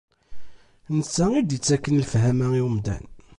Netta i d-ittaken lefhama i umdan.